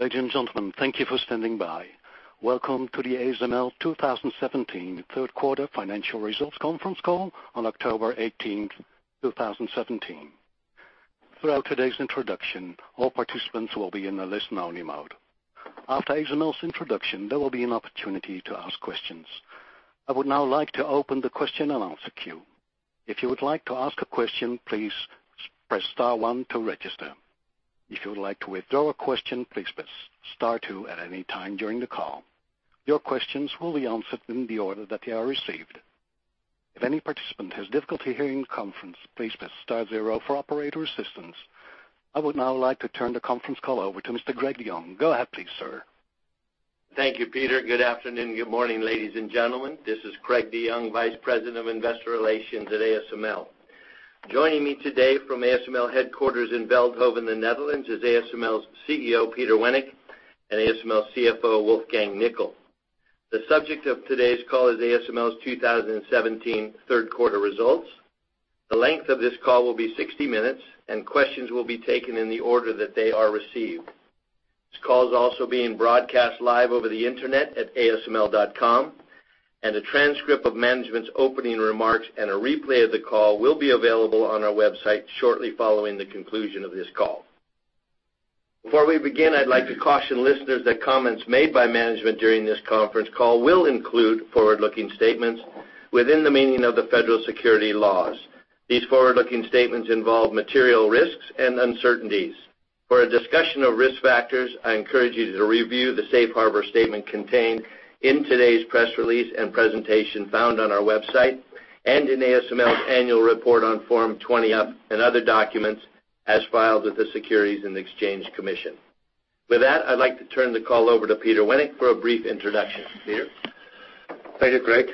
Ladies and gentlemen, thank you for standing by. Welcome to the ASML 2017 third quarter financial results conference call on October 18th, 2017. Throughout today's introduction, all participants will be in the listen-only mode. After ASML's introduction, there will be an opportunity to ask questions. I would now like to open the question and answer queue. If you would like to ask a question, please press star one to register. If you would like to withdraw a question, please press star two at any time during the call. Your questions will be answered in the order that they are received. If any participant has difficulty hearing the conference, please press star zero for operator assistance. I would now like to turn the conference call over to Mr. Craig DeYoung. Go ahead please, sir. Thank you, Peter. Good afternoon, good morning, ladies and gentlemen. This is Craig DeYoung, vice president of investor relations at ASML. Joining me today from ASML headquarters in Veldhoven, the Netherlands, is ASML's CEO, Peter Wennink, and ASML's CFO, Wolfgang Nickl. The subject of today's call is ASML's 2017 third quarter results. Questions will be taken in the order that they are received. This call is also being broadcast live over the internet at asml.com. A transcript of management's opening remarks and a replay of the call will be available on our website shortly following the conclusion of this call. Before we begin, I'd like to caution listeners that comments made by management during this conference call will include forward-looking statements within the meaning of the federal securities laws. These forward-looking statements involve material risks and uncertainties. For a discussion of risk factors, I encourage you to review the safe harbor statement contained in today's press release and presentation found on our website and in ASML's annual report on Form 20-F and other documents as filed with the Securities and Exchange Commission. With that, I'd like to turn the call over to Peter Wennink for a brief introduction. Peter. Thank you, Craig.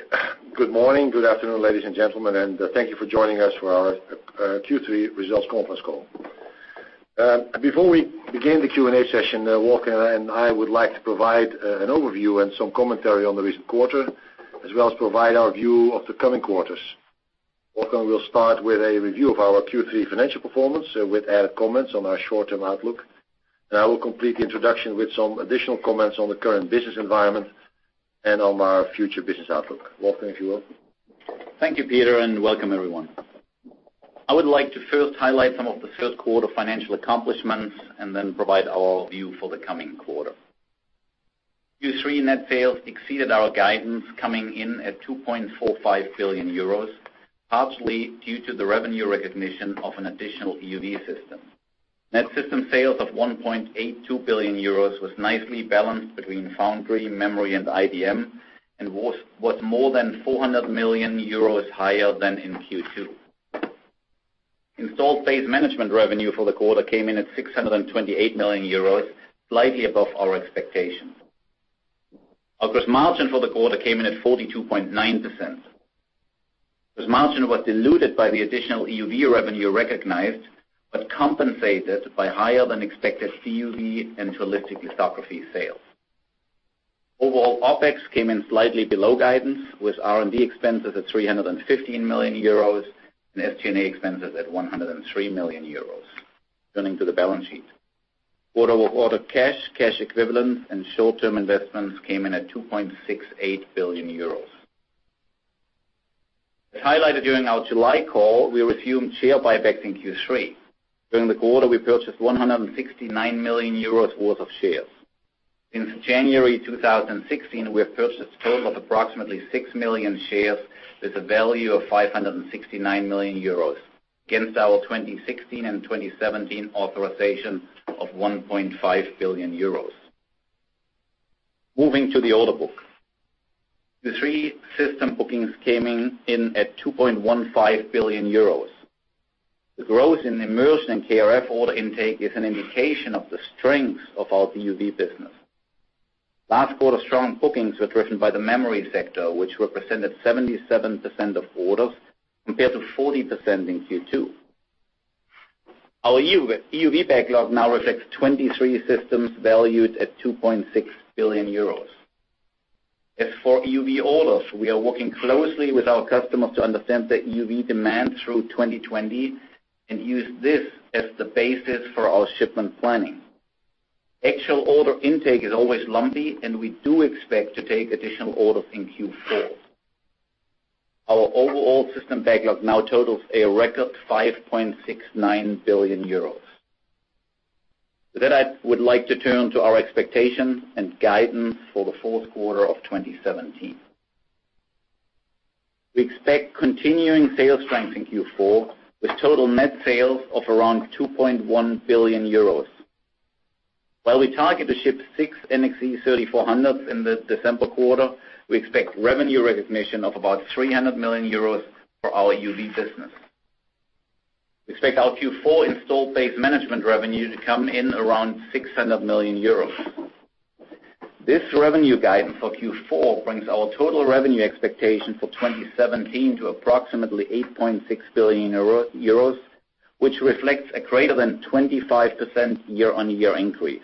Good morning, good afternoon, ladies and gentlemen. Thank you for joining us for our Q3 results conference call. Before we begin the Q&A session, Wolfgang and I would like to provide an overview and some commentary on the recent quarter as well as provide our view of the coming quarters. Wolfgang will start with a review of our Q3 financial performance with added comments on our short-term outlook. I will complete the introduction with some additional comments on the current business environment and on our future business outlook. Wolfgang, if you will. Thank you, Peter, and welcome everyone. I would like to first highlight some of the third quarter financial accomplishments and then provide our view for the coming quarter. Q3 net sales exceeded our guidance coming in at 2.45 billion euros, partially due to the revenue recognition of an additional EUV system. Net system sales of 1.82 billion euros was nicely balanced between foundry, memory, and IDM, and was more than 400 million euros higher than in Q2. Installed base management revenue for the quarter came in at 628 million euros, slightly above our expectations. Our gross margin for the quarter came in at 42.9%. Gross margin was diluted by the additional EUV revenue recognized but compensated by higher-than-expected DUV and Holistic Lithography sales. Overall, OpEx came in slightly below guidance with R&D expenses at 315 million euros and SG&A expenses at 103 million euros. Turning to the balance sheet. Quarter-over-quarter cash equivalents, and short-term investments came in at 2.68 billion euros. As highlighted during our July call, we resumed share buybacks in Q3. During the quarter, we purchased 169 million euros worth of shares. Since January 2016, we have purchased a total of approximately 6 million shares with a value of 569 million euros against our 2016 and 2017 authorization of 1.5 billion euros. Moving to the order book. Q3 system bookings came in at 2.15 billion euros. The growth in immersion and KrF order intake is an indication of the strength of our DUV business. Last quarter's strong bookings were driven by the memory sector, which represented 77% of orders compared to 40% in Q2. Our EUV backlog now reflects 23 systems valued at 2.6 billion euros. As for EUV orders, we are working closely with our customers to understand the EUV demand through 2020 and use this as the basis for our shipment planning. Actual order intake is always lumpy, and we do expect to take additional orders in Q4. Our overall system backlog now totals a record 5.69 billion euros. With that, I would like to turn to our expectation and guidance for the fourth quarter of 2017. We expect continuing sales strength in Q4 with total net sales of around 2.1 billion euros. While we target to ship 6 NXE:3400s in the December quarter, we expect revenue recognition of about 300 million euros for our EUV business. We expect our Q4 installed base management revenue to come in around 600 million euros. This revenue guidance for Q4 brings our total revenue expectation for 2017 to approximately 8.6 billion euros, which reflects a greater than 25% year-on-year increase.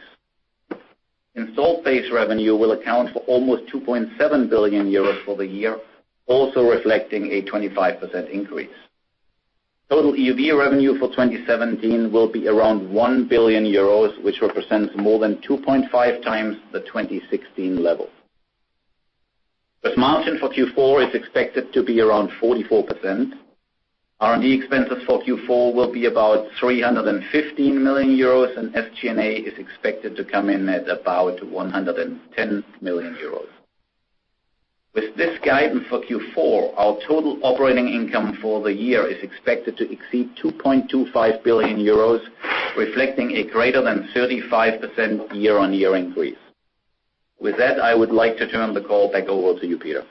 Installed base revenue will account for almost 2.7 billion euros for the year, also reflecting a 25% increase. Total EUV revenue for 2017 will be around 1 billion euros, which represents more than 2.5 times the 2016 level. Gross margin for Q4 is expected to be around 44%. R&D expenses for Q4 will be about 315 million euros, and SG&A is expected to come in at about 110 million euros. With this guidance for Q4, our total operating income for the year is expected to exceed 2.25 billion euros, reflecting a greater than 35% year-on-year increase. With that, I would like to turn the call back over to you, Peter.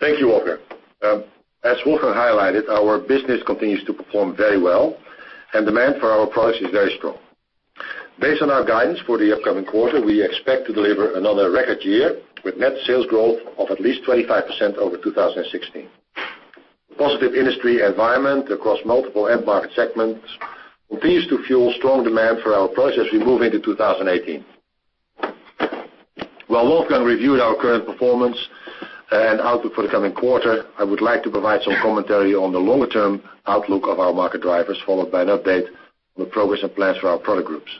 Thank you, Wolf. As Wolf highlighted, our business continues to perform very well, and demand for our products is very strong. Based on our guidance for the upcoming quarter, we expect to deliver another record year with net sales growth of at least 25% over 2016. Positive industry environment across multiple end market segments continues to fuel strong demand for our products as we move into 2018. While Wolfgang reviewed our current performance and outlook for the coming quarter, I would like to provide some commentary on the longer-term outlook of our market drivers, followed by an update on the progress and plans for our product groups.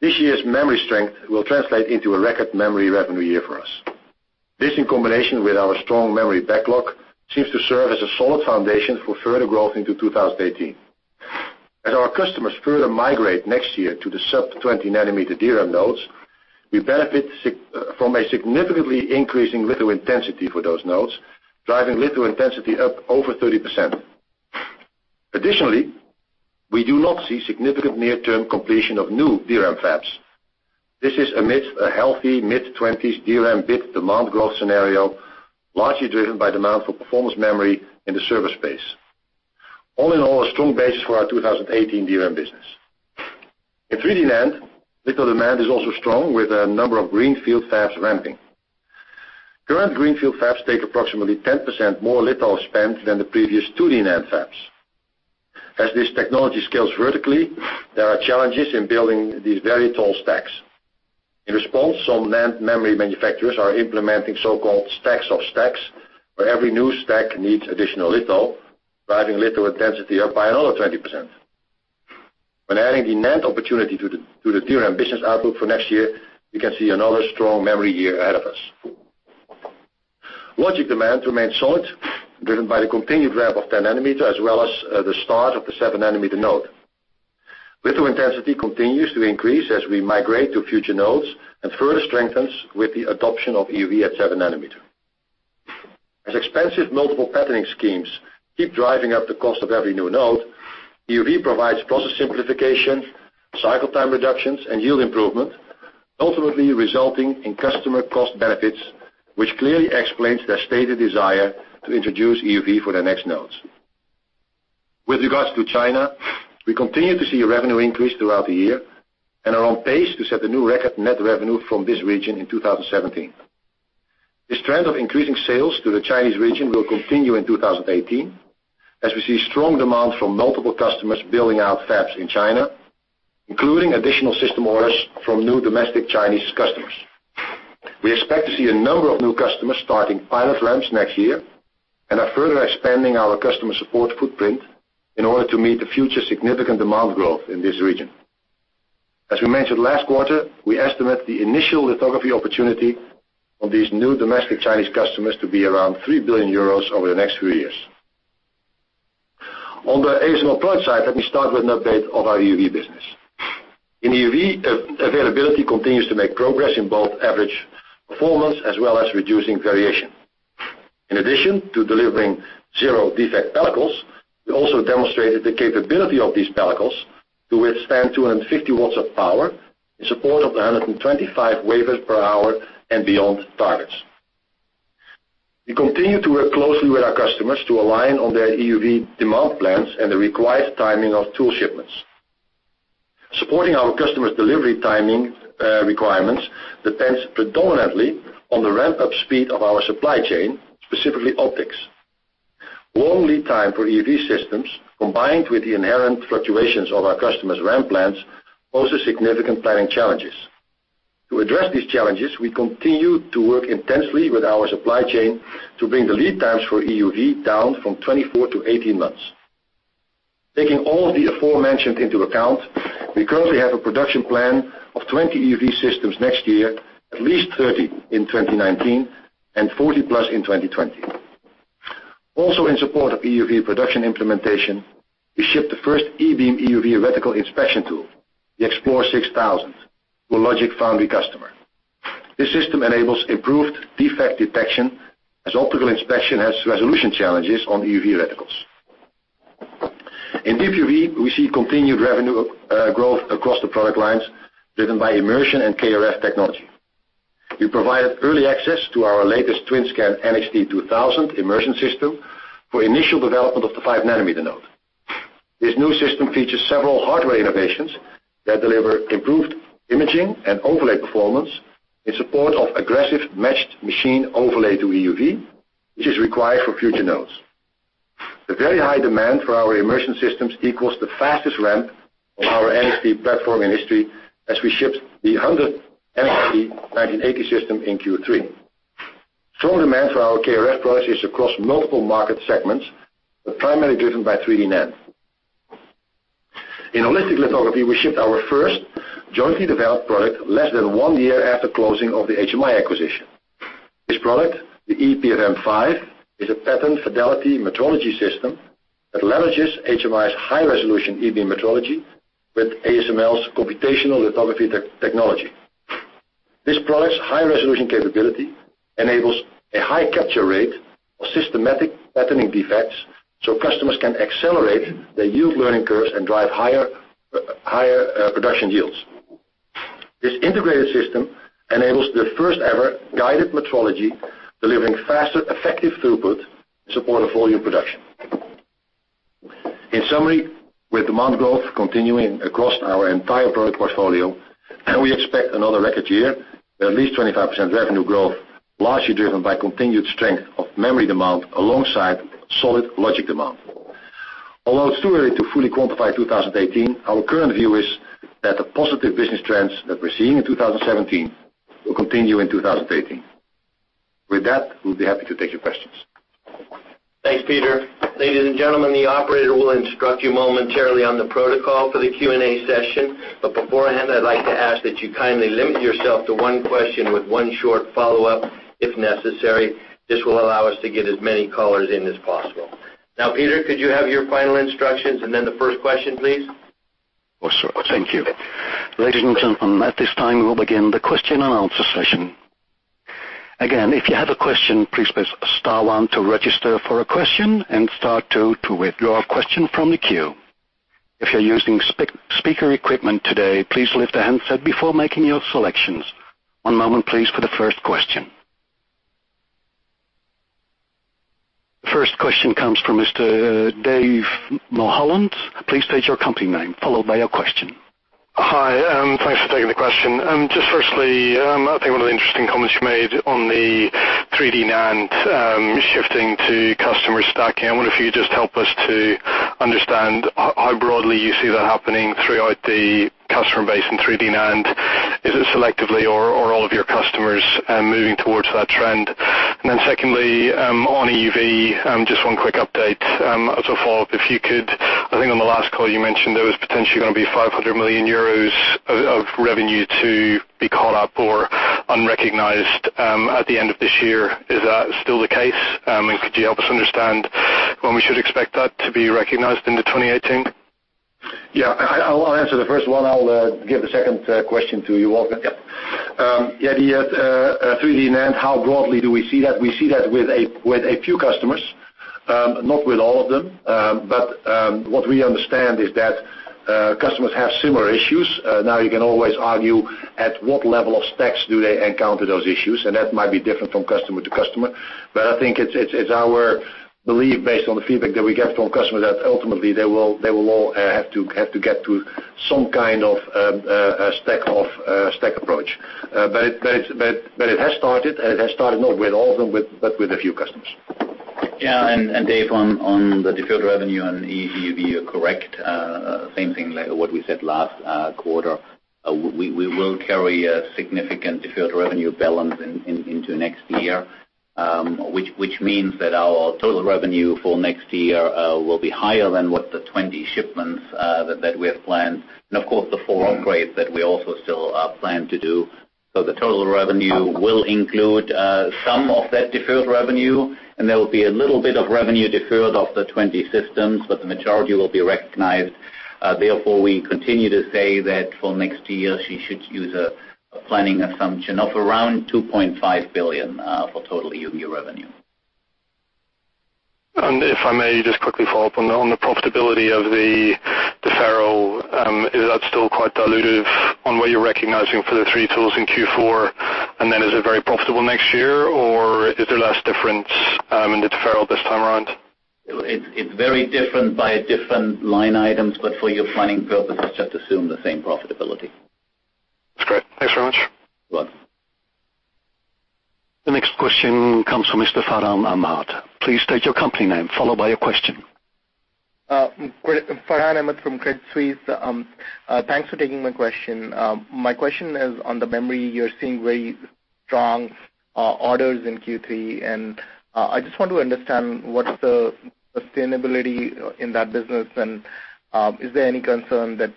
This year's memory strength will translate into a record memory revenue year for us. This, in combination with our strong memory backlog, seems to serve as a solid foundation for further growth into 2018. As our customers further migrate next year to the sub 20-nanometer DRAM nodes, we benefit from a significantly increasing litho intensity for those nodes, driving litho intensity up over 30%. Additionally, we do not see significant near-term completion of new DRAM fabs. This is amidst a healthy mid-20s DRAM bit demand growth scenario, largely driven by demand for performance memory in the server space. All in all, a strong base for our 2018 DRAM business. In 3D NAND, litho demand is also strong with a number of greenfield fabs ramping. Current greenfield fabs take approximately 10% more litho spend than the previous 2D NAND fabs. As this technology scales vertically, there are challenges in building these very tall stacks. In response, some NAND memory manufacturers are implementing so-called stacks of stacks, where every new stack needs additional litho, driving litho intensity up by another 20%. When adding the NAND opportunity to the DRAM business outlook for next year, we can see another strong memory year ahead of us. Logic demand remains solid, driven by the continued ramp of 10-nanometer, as well as the start of the 7-nanometer node. Litho intensity continues to increase as we migrate to future nodes and further strengthens with the adoption of EUV at 7-nanometer. As expensive multiple patterning schemes keep driving up the cost of every new node, EUV provides process simplification, cycle time reductions, and yield improvement, ultimately resulting in customer cost benefits, which clearly explains their stated desire to introduce EUV for their next nodes. With regards to China, we continue to see a revenue increase throughout the year and are on pace to set a new record net revenue from this region in 2017. This trend of increasing sales to the Chinese region will continue in 2018, as we see strong demand from multiple customers building out fabs in China, including additional system orders from new domestic Chinese customers. We expect to see a number of new customers starting pilot ramps next year and are further expanding our customer support footprint in order to meet the future significant demand growth in this region. As we mentioned last quarter, we estimate the initial lithography opportunity of these new domestic Chinese customers to be around 3 billion euros over the next few years. On the ASML product side, let me start with an update of our EUV business. In EUV, availability continues to make progress in both average performance as well as reducing variation. In addition to delivering zero defect pellicles, we also demonstrated the capability of these pellicles to withstand 250 watts of power in support of 125 wafers per hour and beyond targets. We continue to work closely with our customers to align on their EUV demand plans and the required timing of tool shipments. Supporting our customers' delivery timing requirements depends predominantly on the ramp-up speed of our supply chain, specifically optics. Long lead time for EUV systems, combined with the inherent fluctuations of our customers' ramp plans, pose significant planning challenges. To address these challenges, we continue to work intensely with our supply chain to bring the lead times for EUV down from 24 to 18 months. Taking all of the aforementioned into account, we currently have a production plan of 20 EUV systems next year, at least 30 in 2019, and 40 plus in 2020. In support of EUV production implementation, we shipped the first e-beam EUV reticle inspection tool, the eXplore 6000, to a logic foundry customer. This system enables improved defect detection as optical inspection has resolution challenges on EUV reticles. In DUV, we see continued revenue growth across the product lines driven by immersion and KrF technology. We provided early access to our latest TWINSCAN NXT:2000i immersion system for initial development of the five nanometer node. This new system features several hardware innovations that deliver improved imaging and overlay performance in support of aggressive matched machine overlay to EUV, which is required for future nodes. The very high demand for our immersion systems equals the fastest ramp of our NXE platform in history as we shipped the 100th NXT:1980Di system in Q3. Strong demand for our KrF products is across multiple market segments, but primarily driven by 3D NAND. In Holistic Lithography, we shipped our first jointly developed product less than one year after closing of the HMI acquisition. This product, the ePfm5, is a pattern fidelity metrology system that leverages HMI's high-resolution e-beam metrology with ASML's computational lithography technology. This product's high-resolution capability enables a high capture rate of systematic patterning defects so customers can accelerate their yield learning curves and drive higher production yields. This integrated system enables the first-ever guided metrology, delivering faster, effective throughput in support of volume production. In summary, with demand growth continuing across our entire product portfolio, we expect another record year with at least 25% revenue growth, largely driven by continued strength of memory demand alongside solid logic demand. Although it's too early to fully quantify 2018, our current view is that the positive business trends that we're seeing in 2017 will continue in 2018. With that, we'll be happy to take your questions. Thanks, Peter. Ladies and gentlemen, the operator will instruct you momentarily on the protocol for the Q&A session. Beforehand, I'd like to ask that you kindly limit yourself to one question with one short follow-up, if necessary. This will allow us to get as many callers in as possible. Peter, could you have your final instructions and then the first question, please? Well, sir. Thank you. Ladies and gentlemen, at this time, we will begin the question and answer session. Again, if you have a question, please press star one to register for a question and star two to withdraw a question from the queue. If you're using speaker equipment today, please lift the handset before making your selections. One moment please for the first question. First question comes from Mr. David Mulholland. Please state your company name, followed by your question. Hi. Thanks for taking the question. Just firstly, I think one of the interesting comments you made on the 3D NAND shifting to customer stacking. I wonder if you could just help us to understand how broadly you see that happening throughout the customer base in 3D NAND. Is it selectively or all of your customers are moving towards that trend? Secondly, on EUV, just one quick update. As a follow-up, if you could, I think on the last call you mentioned there was potentially going to be 500 million euros of revenue to be caught up or unrecognized at the end of this year. Is that still the case? Could you help us understand when we should expect that to be recognized into 2018? Yeah. I'll answer the first one. I'll give the second question to you, Wolfgang. Yep. The idea of 3D NAND, how broadly do we see that? We see that with a few customers, not with all of them. What we understand is that customers have similar issues. You can always argue at what level of stacks do they encounter those issues, and that might be different from customer to customer. I think it's our belief based on the feedback that we get from customers that ultimately they will all have to get to some kind of a stack approach. It has started, and it has started not with all of them, but with a few customers. Dave, on the deferred revenue and EUV, you are correct. Same thing like what we said last quarter. We will carry a significant deferred revenue balance into next year, which means that our total revenue for next year will be higher than what the 20 shipments that we have planned. Of course, the four upgrades that we also still plan to do. The total revenue will include some of that deferred revenue, and there will be a little bit of revenue deferred of the 20 systems, but the majority will be recognized. Therefore, we continue to say that for next year, you should use a planning assumption of around 2.5 billion for total EUV revenue. If I may just quickly follow up on the profitability of the deferral. Is that still quite dilutive on what you are recognizing for the three tools in Q4? Is it very profitable next year, or is there less difference in the deferral this time around? It's very different by different line items, for your planning purposes, just assume the same profitability. That's great. Thanks very much. You're welcome. The next question comes from Mr. Farhan Ahmad. Please state your company name, followed by your question. Farhan Ahmad from Credit Suisse. Thanks for taking my question. My question is on the memory. You're seeing very strong orders in Q3. I just want to understand what's the sustainability in that business. Is there any concern that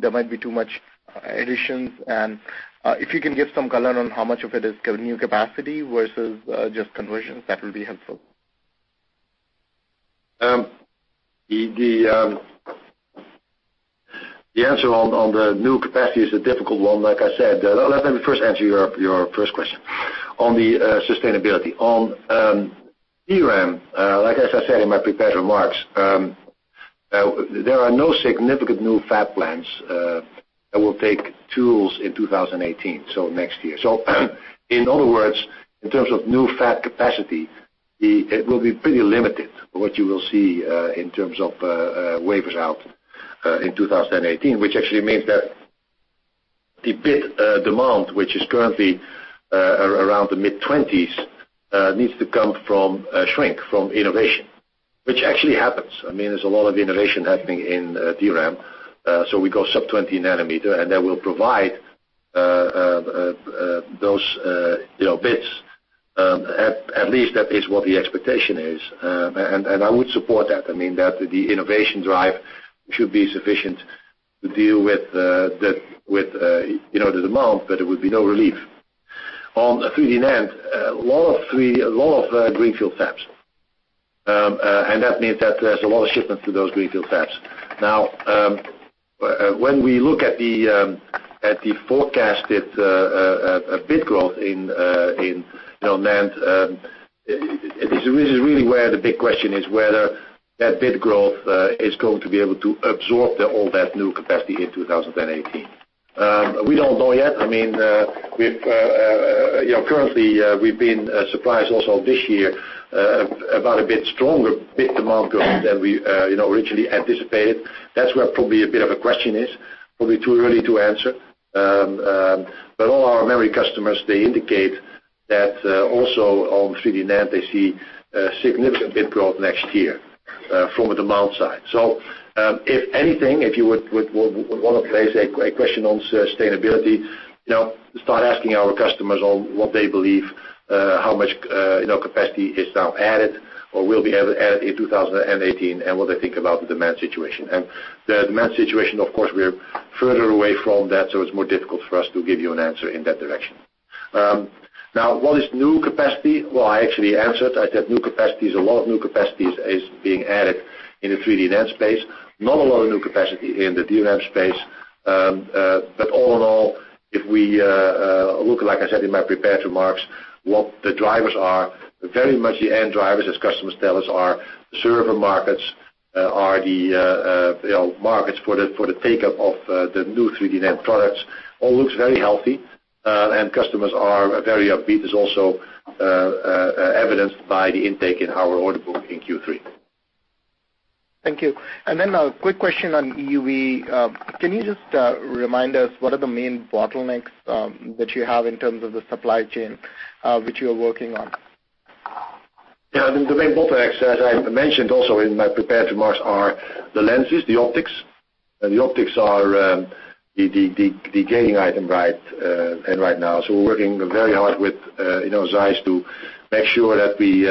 there might be too much additions? If you can give some color on how much of it is new capacity versus just conversions, that will be helpful. The answer on the new capacity is a difficult one, like I said. Let me first answer your first question on the sustainability. On DRAM, like as I said in my prepared remarks, there are no significant new fab plans that will take tools in 2018, so next year. In other words, in terms of new fab capacity, it will be pretty limited what you will see in terms of wafers out in 2018, which actually means that the bit demand, which is currently around the mid-20s, needs to come from a shrink, from innovation, which actually happens. There's a lot of innovation happening in DRAM. We go sub-20 nanometer, and that will provide those bits. At least that is what the expectation is. I would support that the innovation drive should be sufficient to deal with the demand, but it would be no relief. On 3D NAND, a lot of greenfield fabs. That means that there's a lot of shipments to those greenfield fabs. When we look at the forecasted bit growth in NAND, this is really where the big question is, whether that bit growth is going to be able to absorb all that new capacity in 2018. We don't know yet. Currently, we've been surprised also this year about a bit stronger bit demand growth than we originally anticipated. That's where probably a bit of a question is, probably too early to answer. All our memory customers, they indicate that also on 3D NAND, they see significant bit growth next year from a demand side. If anything, if you would want to place a question on sustainability, start asking our customers on what they believe, how much capacity is now added or will be added in 2018, and what they think about the demand situation. The demand situation, of course, we're further away from that, so it's more difficult for us to give you an answer in that direction. What is new capacity? Well, I actually answered. I said new capacity is, a lot of new capacity is being added in the 3D NAND space. Not a lot of new capacity in the DRAM space. All in all, if we look, like I said in my prepared remarks, what the drivers are, very much the end drivers, as customers tell us, are server markets, are the markets for the take-up of the new 3D NAND products. All looks very healthy, and customers are very upbeat, as also evidenced by the intake in our order book in Q3. Thank you. A quick question on EUV. Can you just remind us what are the main bottlenecks that you have in terms of the supply chain, which you are working on? The main bottlenecks, as I mentioned also in my prepared remarks, are the lenses, the optics. The optics are the gaining item right now. We're working very hard with ZEISS to make sure that we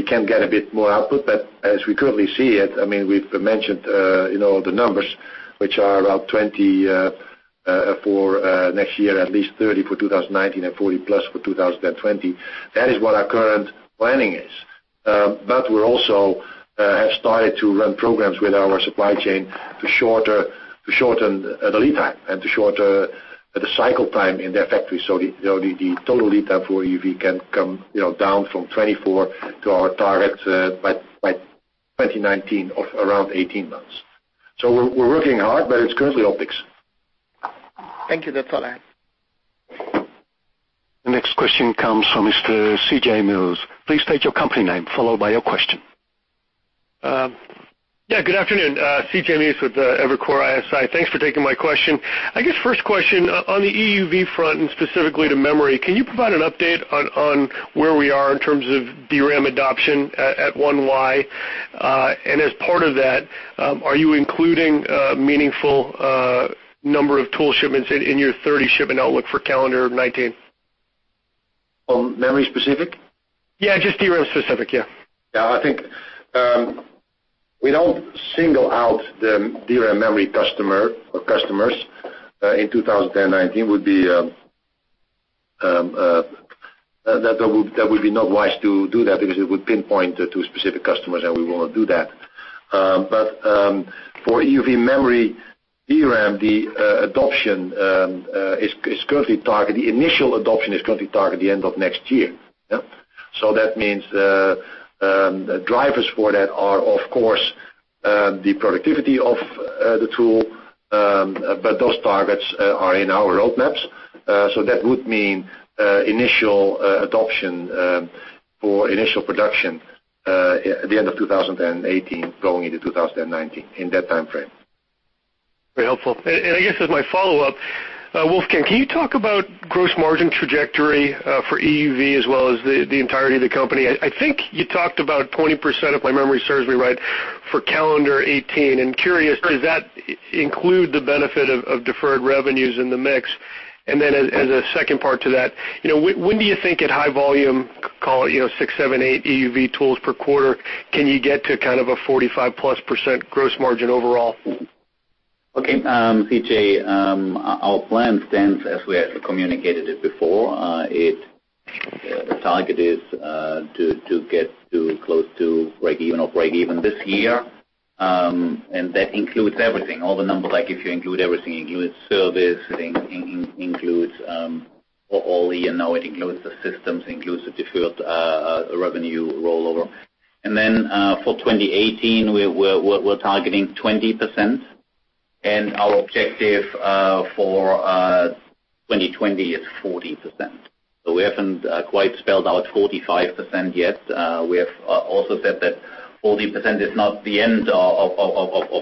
can get a bit more output. As we currently see it, we've mentioned the numbers, which are about 20 for next year, at least 30 for 2019, and 40 plus for 2020. That is what our current planning is. We also have started to run programs with our supply chain to shorten the lead time and to shorten the cycle time in their factory. The total lead time for EUV can come down from 24 to our target by 2019 of around 18 months. We're working hard, but it's currently optics. Thank you. That's all I have. The next question comes from Mr. C.J. Muse. Please state your company name, followed by your question. Good afternoon. CJ Muse with Evercore ISI. Thanks for taking my question. I guess first question, on the EUV front, specifically to memory, can you provide an update on where we are in terms of DRAM adoption at 1y? As part of that, are you including a meaningful number of tool shipments in your 30 shipment outlook for calendar 2019? On memory specific? Yeah, just DRAM specific. Yeah. Yeah, I think we don't single out the DRAM memory customer or customers in 2019. That would be not wise to do that because it would pinpoint to specific customers, and we wouldn't do that. For EUV memory DRAM, initial adoption is currently targeted the end of next year. That means the drivers for that are, of course, the productivity of the tool, but those targets are in our roadmaps. That would mean initial adoption for initial production at the end of 2018, going into 2019, in that time frame. Very helpful. I guess as my follow-up, Wolfgang, can you talk about gross margin trajectory for EUV as well as the entirety of the company? I think you talked about 20%, if my memory serves me right, for calendar 2018. I'm curious, does that include the benefit of deferred revenues in the mix? Then as a second part to that, when do you think at high volume, call it six, seven, eight EUV tools per quarter, can you get to kind of a 45-plus % gross margin overall? Okay. CJ, our plan stands as we have communicated it before. The target is to get to close to breakeven or breakeven this year, and that includes everything, all the numbers. If you include everything, you include service, it includes the systems, includes the deferred revenue rollover. For 2018, we're targeting 20%, and our objective for 2020 is 40%. We haven't quite spelled out 45% yet. We have also said that 40% is not the end of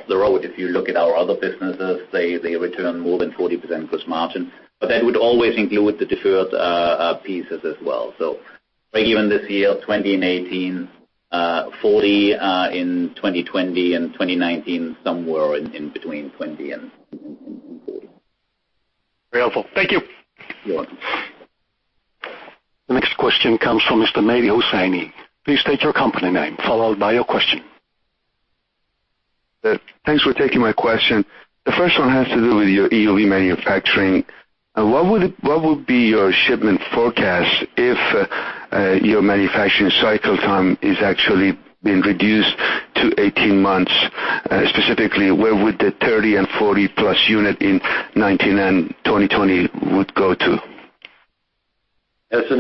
the road. If you look at our other businesses, they return more than 40% gross margin. That would always include the deferred pieces as well. Even this year, 20 in 2018, 40 in 2020, and 2019 somewhere in between 20 and 40. Very helpful. Thank you. You're welcome. The next question comes from Mr. Mehdi Hosseini. Please state your company name, followed by your question. Thanks for taking my question. The first one has to do with your EUV manufacturing. What would be your shipment forecast if your manufacturing cycle time is actually being reduced to 18 months? Specifically, where would the 30 and 40+ units in 2019 and 2020 would go to? That's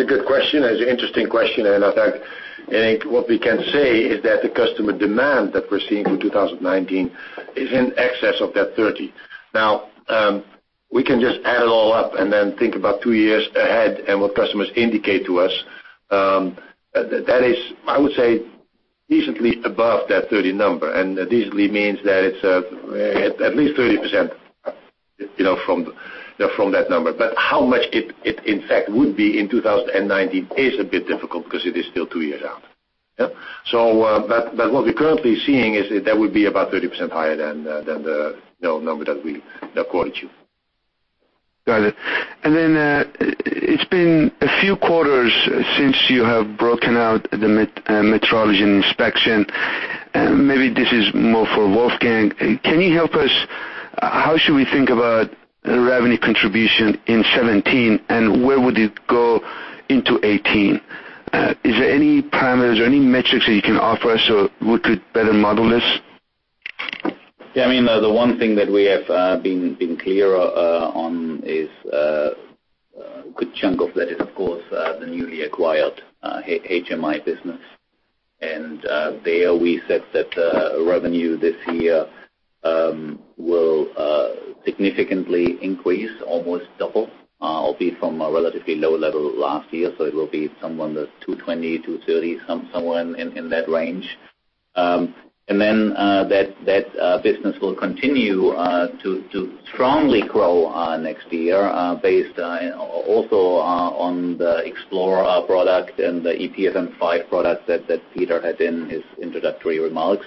a good question. That's an interesting question. I think what we can say is that the customer demand that we're seeing for 2019 is in excess of that 30. We can just add it all up and then think about two years ahead and what customers indicate to us. That is, I would say, decently above that 30 number, and decently means that it's at least 30% from that number. How much it in fact would be in 2019 is a bit difficult because it is still two years out. What we're currently seeing is that would be about 30% higher than the number that we quoted you. Got it. It's been a few quarters since you have broken out the metrology and inspection. Maybe this is more for Wolfgang. Can you help us? How should we think about revenue contribution in 2017, and where would it go into 2018? Is there any parameters or any metrics that you can offer us so we could better model this? Yeah, the one thing that we have been clear on is, a good chunk of that is, of course, the newly acquired Hermes Microvision, Inc. business. There we said that revenue this year will significantly increase, almost double, albeit from a relatively low level last year. It will be somewhere in the $220, $230, somewhere in that range. That business will continue to strongly grow next year, based also on the eXplore product and the ePfm5 product that Peter Wennink had in his introductory remarks.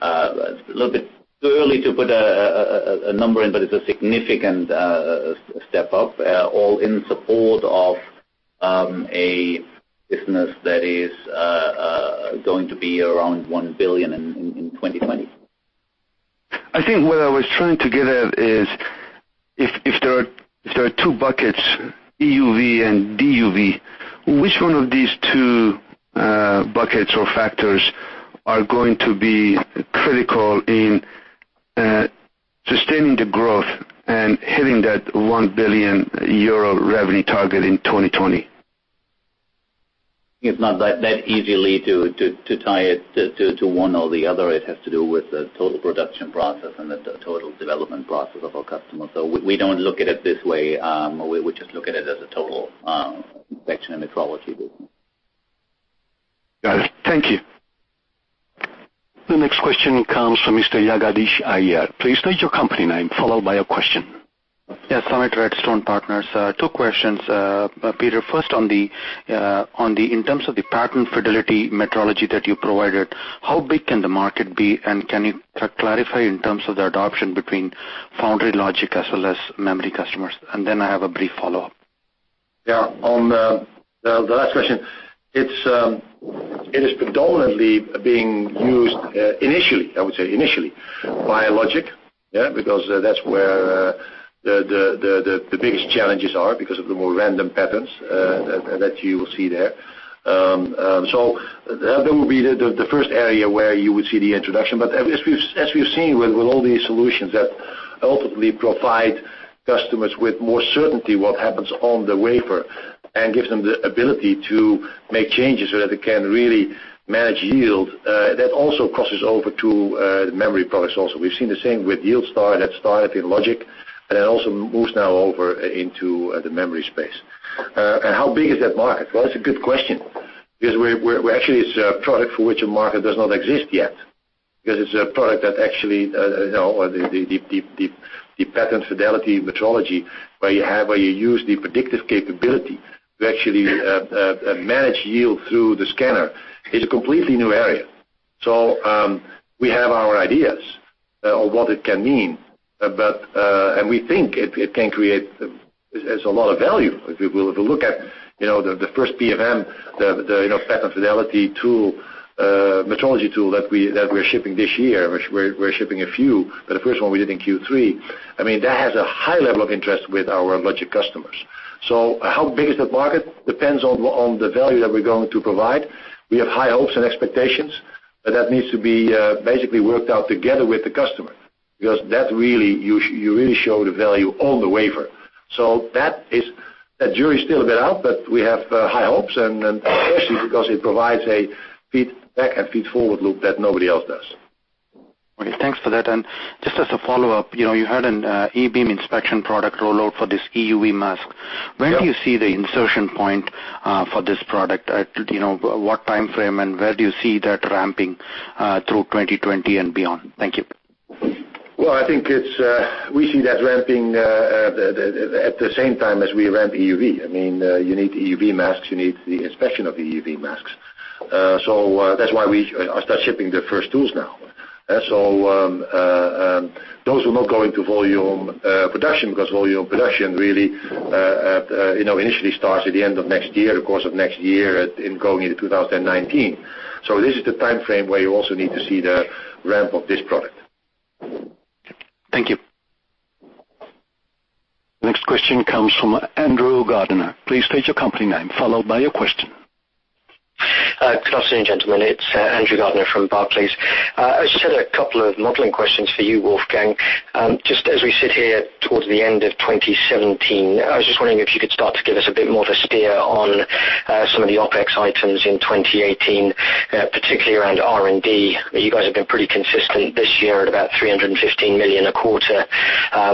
A little bit too early to put a number in, but it is a significant step up, all in support of a business that is going to be around $1 billion in 2020. I think what I was trying to get at is, if there are two buckets, EUV and DUV, which one of these two buckets or factors are going to be critical in sustaining the growth and hitting that 1 billion euro revenue target in 2020? It is not that easy to tie it to one or the other. It has to do with the total production process and the total development process of our customers. We do not look at it this way. We just look at it as a total inspection and metrology business. Got it. Thank you. The next question comes from Mr. Jagadish Iyer. Please state your company name, followed by your question. Yes, Samit at Stone Partners. Two questions. Peter, first, in terms of the pattern fidelity metrology that you provided, how big can the market be, and can you clarify in terms of the adoption between foundry logic as well as memory customers? I have a brief follow-up. On the last question, it is predominantly being used initially, I would say initially, by logic because that's where the biggest challenges are because of the more random patterns that you will see there. That will be the first area where you would see the introduction. As we've seen with all these solutions that ultimately provide customers with more certainty what happens on the wafer and gives them the ability to make changes so that they can really manage yield, that also crosses over to the memory products also. We've seen the same with YieldStar that started in logic, and it also moves now over into the memory space. How big is that market? Well, it's a good question because we're actually, it's a product for which a market does not exist yet because it's a product that actually, the pattern fidelity metrology, where you use the predictive capability to actually manage yield through the scanner is a completely new area. We have our ideas on what it can mean. We think it can create a lot of value. If you look at the first PFM, the pattern fidelity tool, metrology tool that we're shipping this year, we're shipping a few, but the first one we did in Q3. That has a high level of interest with our logic customers. How big is the market? Depends on the value that we're going to provide. We have high hopes and expectations, that needs to be basically worked out together with the customer, because you really show the value on the wafer. That jury is still a bit out, but we have high hopes, and especially because it provides a feedback and feedforward loop that nobody else does. Okay. Thanks for that. Just as a follow-up, you had an e-beam inspection product rollout for this EUV mask. Yeah. Where do you see the insertion point for this product? What time frame, and where do you see that ramping through 2020 and beyond? Thank you. Well, I think we see that ramping at the same time as we ramp EUV. You need EUV masks, you need the inspection of EUV masks. That's why we are start shipping the first tools now. Those will not go into volume production because volume production really initially starts at the end of next year, of course, of next year and going into 2019. This is the time frame where you also need to see the ramp of this product. Thank you. Next question comes from Andrew Gardiner. Please state your company name, followed by your question. Good afternoon, gentlemen. It's Andrew Gardiner from Barclays. I just had a couple of modeling questions for you, Wolfgang. As we sit here towards the end of 2017, I was just wondering if you could start to give us a bit more of a steer on some of the OpEx items in 2018, particularly around R&D. You guys have been pretty consistent this year at about 315 million a quarter.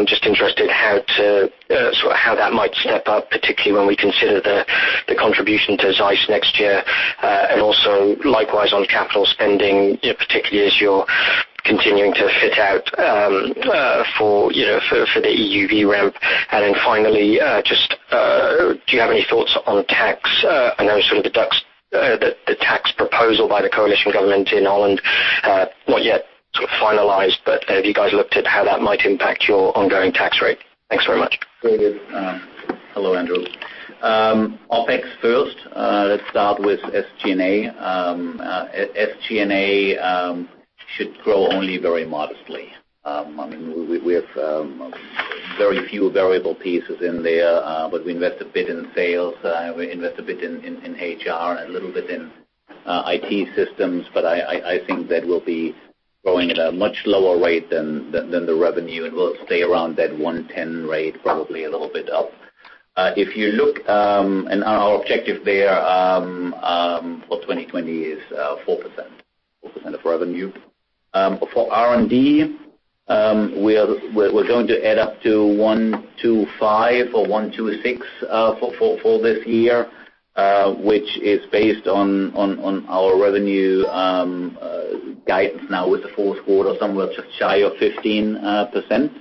Just interested how that might step up, particularly when we consider the contribution to ZEISS next year. Likewise on capital spending, particularly as you're continuing to fit out for the EUV ramp. Finally, just do you have any thoughts on tax? I know the tax proposal by the coalition government in Holland, not yet finalized, but have you guys looked at how that might impact your ongoing tax rate? Thanks very much. Very good. Hello, Andrew. OpEx first. Let's start with SG&A. SG&A should grow only very modestly. We have very few variable pieces in there, but we invest a bit in sales, we invest a bit in HR, a little bit in IT systems. I think that will be growing at a much lower rate than the revenue, and we'll stay around that 110 rate, probably a little bit up. If you look and our objective there for 2020 is 4% of revenue. For R&D, we're going to add up to 125 or 126 for this year, which is based on our revenue guidance now with the fourth quarter somewhere just shy of 15%.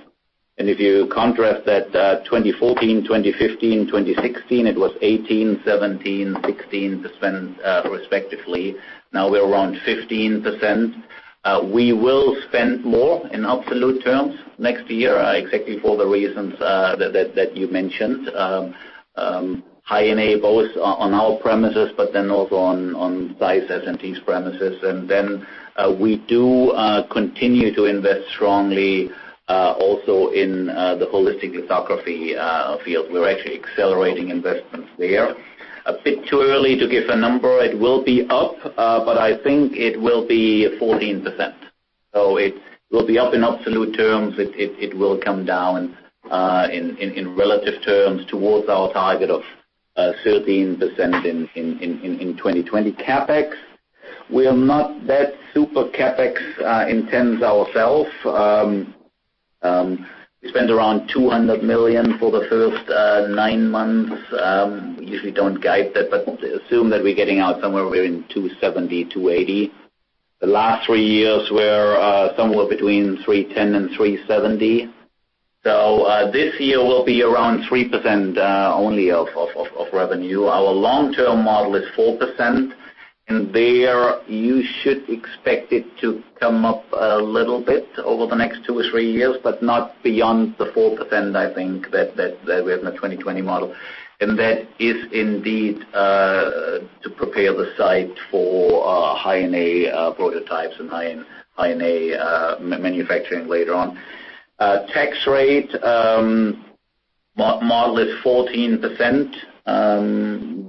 If you contrast that 2014, 2015, 2016, it was 18%, 17%, 16% respectively. We're around 15%. We will spend more in absolute terms next year, exactly for the reasons that you mentioned. High-NA both on our premises, but then also on ZEISS SMT's premises. We do continue to invest strongly also in the Holistic Lithography field. We're actually accelerating investments there. A bit too early to give a number. It will be up, but I think it will be 14%. It will come down in relative terms towards our target of 13% in 2020. CapEx, we are not that super CapEx intense ourself. We spent around 200 million for the first nine months. We usually don't guide that, but assume that we're getting out somewhere within 270-280. The last three years were somewhere between 310 and 370. This year will be around 3% only of revenue. Our long-term model is 4%. There you should expect it to come up a little bit over the next two or three years, but not beyond the 4%, I think, that we have in the 2020 model. That is indeed to prepare the site for High-NA prototypes and High-NA manufacturing later on. Tax rate model is 14%.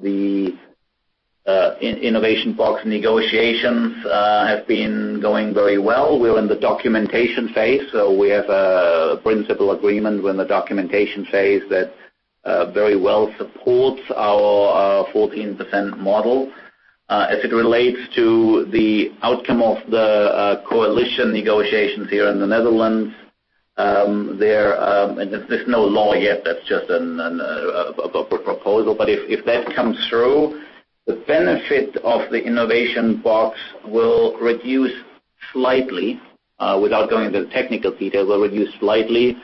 The innovation box negotiations have been going very well. We're in the documentation phase, so we have a principle agreement. We're in the documentation phase that very well supports our 14% model. As it relates to the outcome of the coalition negotiations here in the Netherlands, there's no law yet. That's just a proposal. If that comes through, the benefit of the innovation box will reduce slightly. Without going into the technical details, will reduce slightly,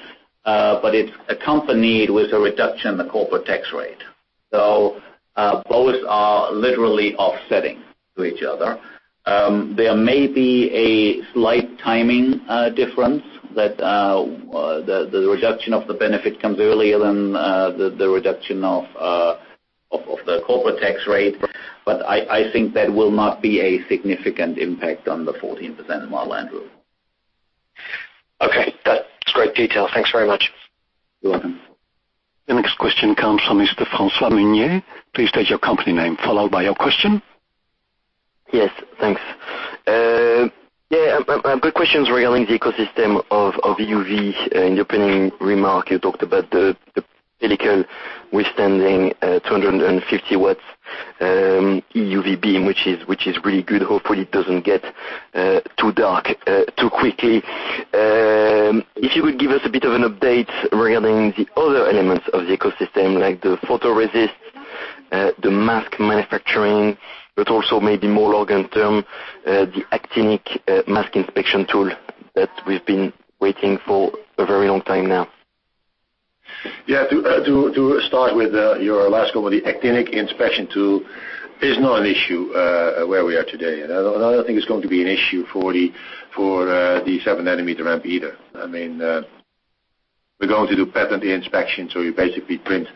but it's accompanied with a reduction in the corporate tax rate. Both are literally offsetting to each other. There may be a slight timing difference that the reduction of the benefit comes earlier than the reduction of the corporate tax rate. I think that will not be a significant impact on the 14% model, Andrew. Okay. That's great detail. Thanks very much. You're welcome. The next question comes from Mr. Francois Meunier. Please state your company name, followed by your question. Yes, thanks. My question is regarding the ecosystem of EUV. In your opening remark, you talked about the pellicle withstanding 250 watts EUV beam, which is really good. Hopefully, it doesn't get too dark too quickly. If you would give us a bit of an update regarding the other elements of the ecosystem, like the photoresist, the mask manufacturing, also maybe more long-term, the actinic mask inspection tool that we've been waiting for a very long time now. Yeah. To start with your last call with the actinic inspection tool, it is not an issue where we are today. I don't think it's going to be an issue for the 7-nanometer ramp either. We're going to do pattern inspection, so you basically print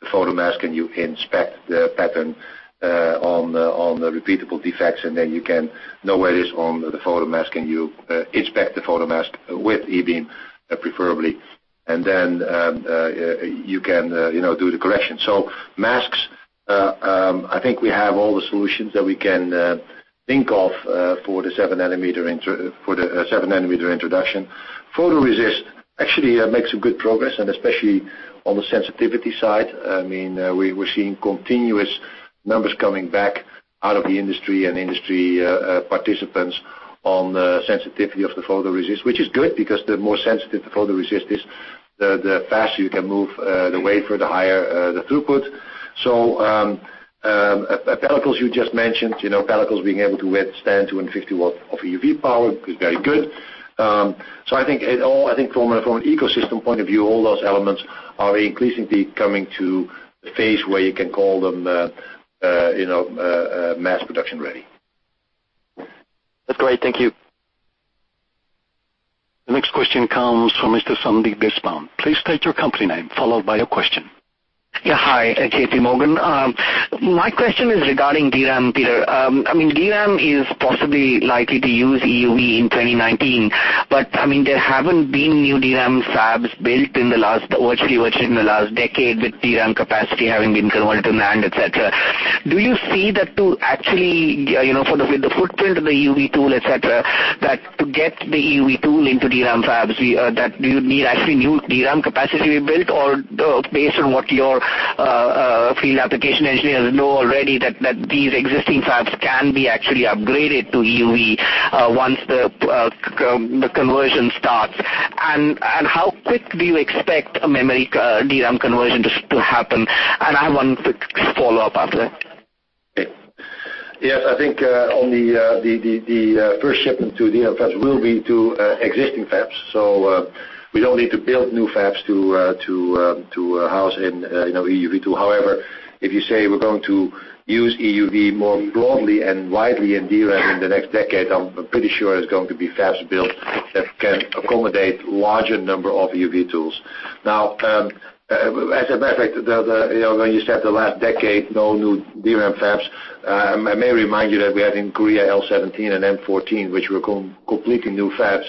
the photo mask, and you inspect the pattern on the repeatable defects, then you can know where it is on the photo mask, and you inspect the photo mask with e-beam, preferably. Then you can do the correction. Masks, I think we have all the solutions that we can think of for the 7-nanometer introduction. Photoresist actually makes some good progress, especially on the sensitivity side. We're seeing continuous numbers coming back out of the industry and industry participants on the sensitivity of the photoresist, which is good because the more sensitive the photoresist is, the faster you can move the wafer, the higher the throughput. Pellicles you just mentioned, pellicles being able to withstand 250 watts of EUV power is very good. I think from an ecosystem point of view, all those elements are increasingly coming to the phase where you can call them mass production-ready. That's great. Thank you. The next question comes from Mr. Sandeep Deshpande. Please state your company name, followed by your question. Hi, JP Morgan. My question is regarding DRAM, Peter. DRAM is possibly likely to use EUV in 2019, but there haven't been new DRAM fabs built in the last virtually in the last decade, with DRAM capacity having been converted to NAND, et cetera. Do you see that to actually, with the footprint of the EUV tool, et cetera, that to get the EUV tool into DRAM fabs, do you need actually new DRAM capacity built? Or based on what your field application engineers know already, that these existing fabs can be actually upgraded to EUV once the conversion starts? How quick do you expect a memory DRAM conversion to happen? I have one quick follow-up after. Yes. I think on the first shipment to DRAM fabs will be to existing fabs. We don't need to build new fabs to house in EUV tool. However, if you say we're going to use EUV more broadly and widely in DRAM in the next decade, I'm pretty sure there's going to be fabs built that can accommodate larger number of EUV tools. Now, as a matter of fact, when you said the last decade, no new DRAM fabs, I may remind you that we had in Korea L17 and M14, which were completely new fabs,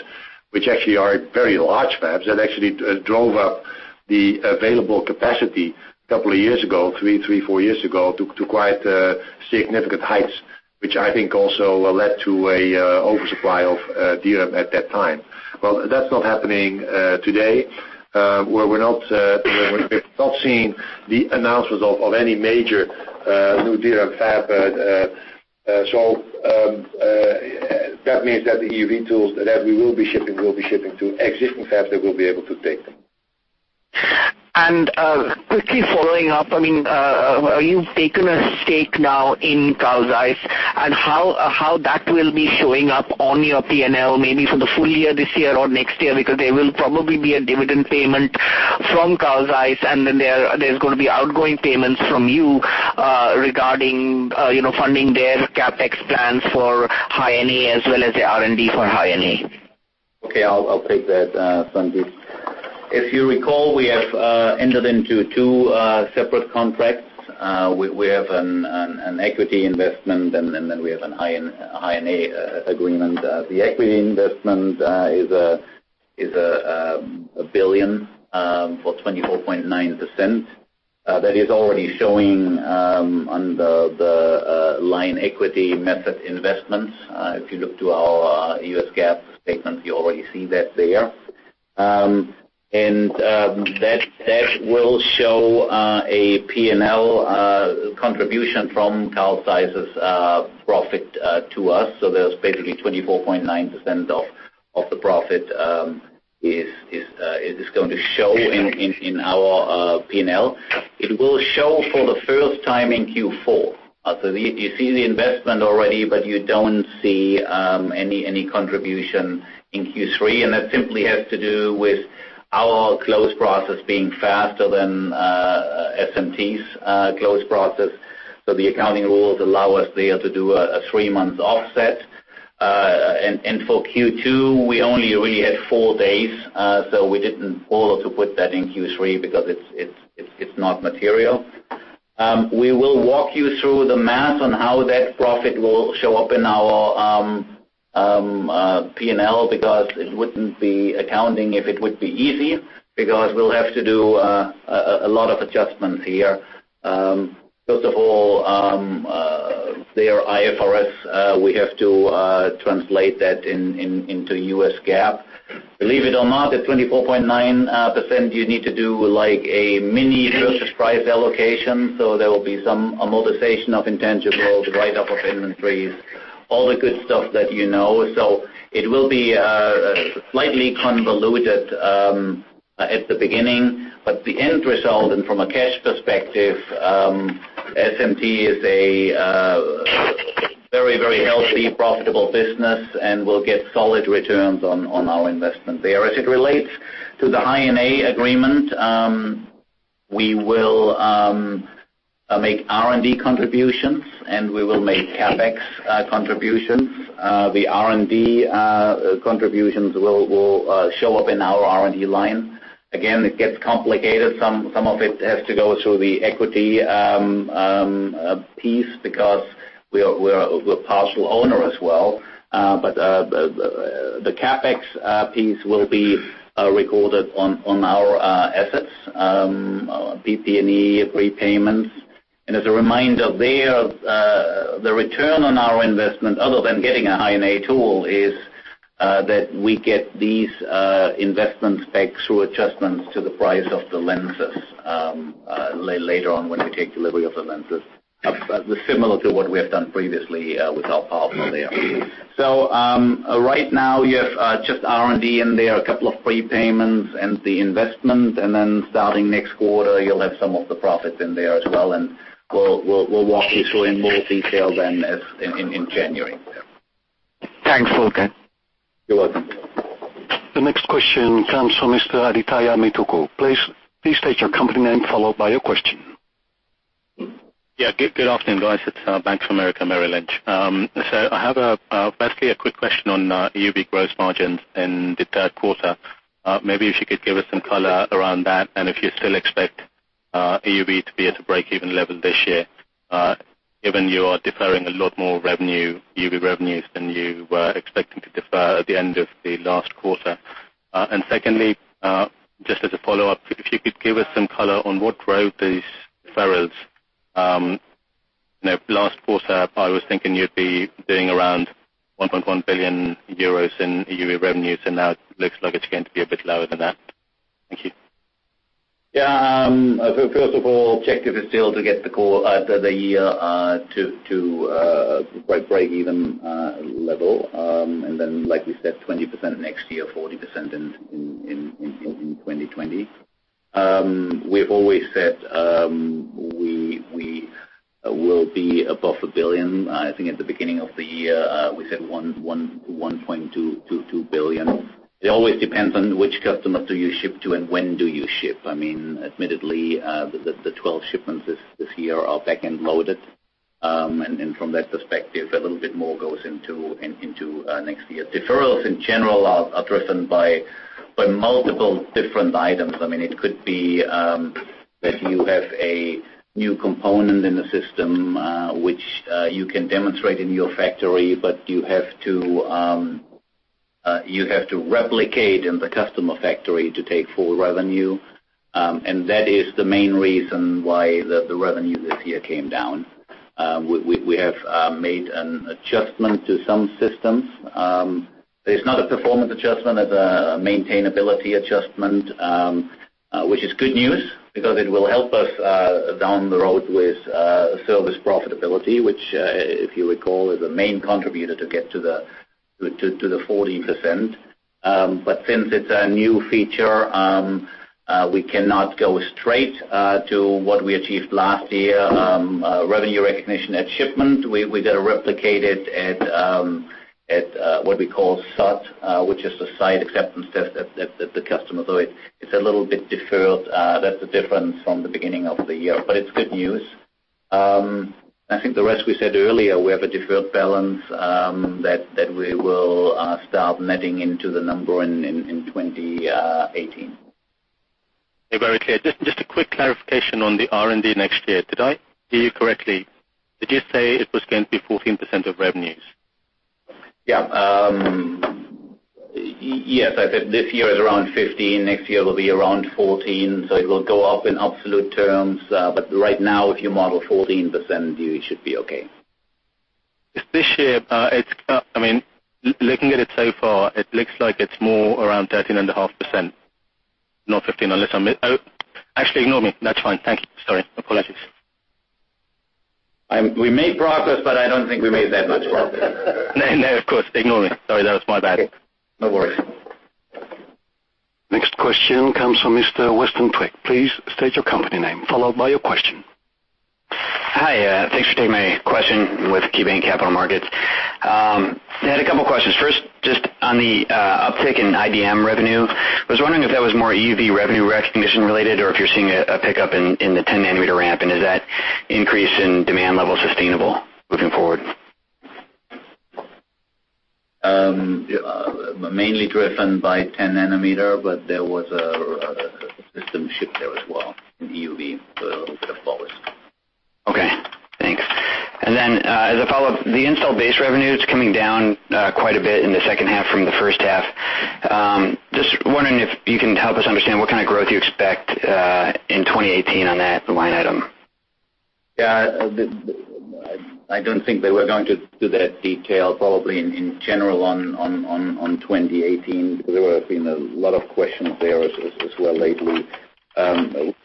which actually are very large fabs. That actually drove up the available capacity a couple of years ago, three, four years ago, to quite significant heights, which I think also led to a oversupply of DRAM at that time. Well, that's not happening today, where we're not seeing the announcements of any major new DRAM fab. That means that the EUV tools that we will be shipping, we'll be shipping to existing fabs that will be able to take them. Quickly following up, you've taken a stake now in Carl Zeiss, and how that will be showing up on your P&L maybe for the full year this year or next year? There will probably be a dividend payment from Carl Zeiss, and then there's going to be outgoing payments from you regarding funding their CapEx plans for High-NA as well as the R&D for High-NA. Okay. I'll take that, Sandeep. If you recall, we have entered into two separate contracts. We have an equity investment, and then we have a High-NA agreement. The equity investment is 1 billion for 24.9%. That is already showing on the line equity method investment. If you look to our US GAAP statement, you already see that there. That will show a P&L contribution from Carl Zeiss's profit to us. There's basically 24.9% of the profit is going to show in our P&L. It will show for the first time in Q4. You see the investment already, but you don't see any contribution in Q3. That simply has to do with our close process being faster than SMT's close process. The accounting rules allow us there to do a three-month offset. For Q2, we only really had four days, so we didn't bother to put that in Q3 because it's not material. We will walk you through the math on how that profit will show up in our P&L because it wouldn't be accounting if it would be easy, because we'll have to do a lot of adjustments here. First of all They are IFRS. We have to translate that into US GAAP. Believe it or not, at 24.9%, you need to do a mini purchase price allocation, so there will be some amortization of intangible, the write-up of inventories, all the good stuff that you know. It will be slightly convoluted at the beginning, but the end result, and from a cash perspective, SMT is a very healthy, profitable business, and we'll get solid returns on our investment there. As it relates to the High-NA agreement, we will make R&D contributions, and we will make CapEx contributions. The R&D contributions will show up in our R&D line. Again, it gets complicated. Some of it has to go through the equity piece because we're a partial owner as well. The CapEx piece will be recorded on our assets, PP&E prepayments. As a reminder there, the return on our investment, other than getting a High-NA tool, is that we get these investments back through adjustments to the price of the lenses later on when we take delivery of the lenses. Similar to what we have done previously with our partner there. Right now you have just R&D in there, a couple of prepayments and the investment, and then starting next quarter, you'll have some of the profits in there as well, and we'll walk you through in more detail then in January. Thanks, Woflgang. You're welcome. The next question comes from Mr. Adithya Metuku. Please state your company name, followed by your question. Yeah. Good afternoon, guys. It's Bank of America Merrill Lynch. I have basically a quick question on EUV gross margins in the third quarter. Maybe if you could give us some color around that and if you still expect EUV to be at a break-even level this year, given you are deferring a lot more EUV revenues than you were expecting to defer at the end of the last quarter. Secondly, just as a follow-up, if you could give us some color on what drove these deferrals. Last quarter, I was thinking you'd be doing around €1.1 billion in EUV revenues, and now it looks like it's going to be a bit lower than that. Thank you. First of all, objective is still to get the year to break-even level. Then, like we said, 20% next year, 40% in 2020. We've always said we will be above 1 billion. I think at the beginning of the year, we said 1.22 billion. It always depends on which customer do you ship to and when do you ship. Admittedly, the 12 shipments this year are back-end loaded. From that perspective, a little bit more goes into next year. Deferrals, in general, are driven by multiple different items. It could be if you have a new component in the system, which you can demonstrate in your factory, but you have to replicate in the customer factory to take full revenue. That is the main reason why the revenue this year came down. We have made an adjustment to some systems. It's not a performance adjustment, it's a maintainability adjustment, which is good news because it will help us down the road with service profitability, which, if you recall, is the main contributor to get to the 40%. Since it's a new feature, we cannot go straight to what we achieved last year, revenue recognition at shipment. We got to replicate it at what we call SAT, which is the Site Acceptance Test at the customer. It's a little bit deferred. That's the difference from the beginning of the year, but it's good news. I think the rest we said earlier, we have a deferred balance that we will start netting into the number in 2018. Very clear. Just a quick clarification on the R&D next year. Did I hear you correctly? Did you say it was going to be 14% of revenues? Yes, I said this year is around 15%, next year will be around 14%, it will go up in absolute terms. Right now, if you model 14%, you should be okay. This year, looking at it so far, it looks like it is more around 13.5%, not 15, unless I am Actually, ignore me. That is fine, thank you. Sorry. Apologies. We made progress, but I don't think we made that much progress. No, of course. Ignore me. Sorry, that was my bad. No worries. Next question comes from Mr. Weston Twigg. Please state your company name, followed by your question. Hi. Thanks for taking my question, with KeyBanc Capital Markets. I had a couple questions. First, just on the uptick in IDM revenue, I was wondering if that was more EUV revenue recognition related, or if you're seeing a pickup in the 10 nanometer ramp, is that increase in demand level sustainable moving forward? Mainly driven by 10 nanometer, there was a system ship there as well in EUV, a little bit of both. Okay, thanks. As a follow-up, the install base revenue, it's coming down quite a bit in the second half from the first half. Just wondering if you can help us understand what kind of growth you expect 2018 on that, the line item. I don't think they were going to that detail, probably in general on 2018. There have been a lot of questions there as well lately.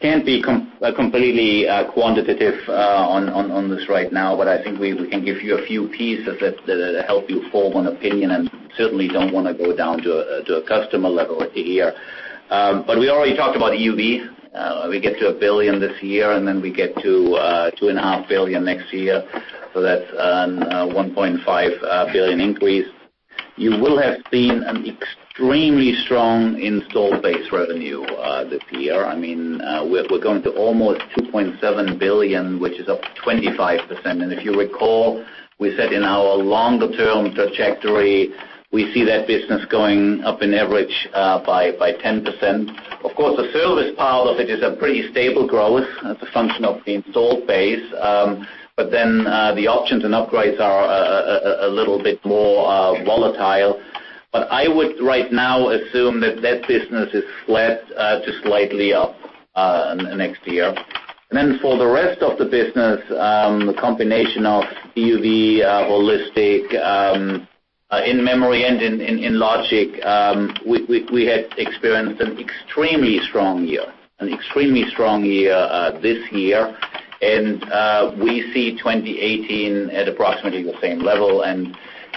Can't be completely quantitative on this right now, but I think we can give you a few pieces that help you form an opinion, and certainly don't want to go down to a customer level here. We already talked about EUV. We get to 1 billion this year, we get to 2.5 billion next year. That's a 1.5 billion increase. You will have seen an extremely strong install base revenue this year. We're going to almost 2.7 billion, which is up 25%. If you recall, we said in our longer-term trajectory, we see that business going up an average by 10%. Of course, the service part of it is a pretty stable growth as a function of the install base. The options and upgrades are a little bit more volatile. I would, right now, assume that that business is flat to slightly up next year. For the rest of the business, the combination of EUV, Holistic, in memory and in logic, we had experienced an extremely strong year this year. We see 2018 at approximately the same level.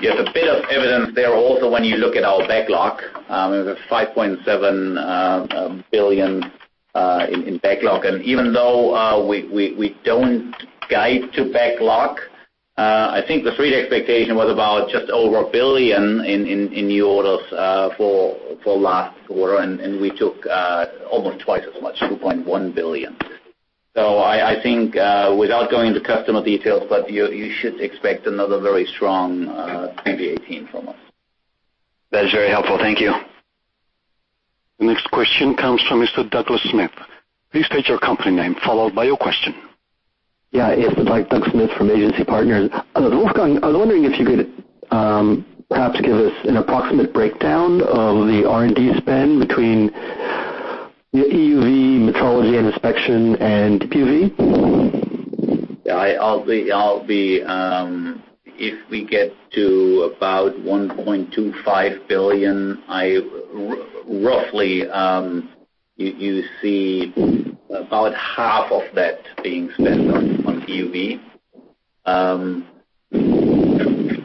You have a bit of evidence there also when you look at our backlog. There's a 5.7 billion in backlog. Even though we don't guide to backlog, I think the Street expectation was about just over 1 billion in new orders for last quarter, we took almost twice as much, 2.1 billion. I think, without going into customer details, but you should expect another very strong 2018 from us. That is very helpful. Thank you. The next question comes from Mr. Doug Smith. Please state your company name, followed by your question. Yeah. It is Doug Smith from Agency Partners. Wolfgang, I was wondering if you could perhaps give us an approximate breakdown of the R&D spend between the EUV metrology and inspection and DUV. If we get to about 1.25 billion, roughly, you see about half of that being spent on EUV.